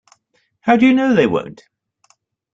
How do you know they won't?